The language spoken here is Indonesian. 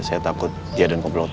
saya mau ke rumah